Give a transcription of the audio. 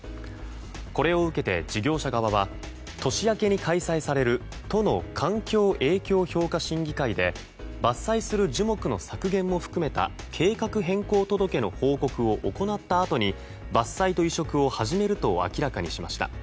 これを受けて、事業者側は年明けに開催される都の環境影響評価審議会で伐採する樹木の削減も含めた計画変更届の報告を行ったあとに伐採と移植を始めると明らかにしました。